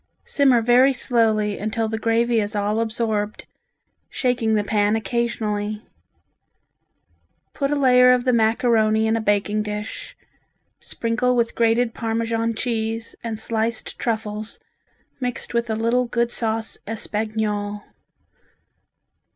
Simmer very slowly until the gravy is all absorbed, shaking the pan occasionally. Put a layer of the macaroni in a baking dish, sprinkle with grated Parmesan cheese and sliced truffles mixed with a little good sauce espagnole.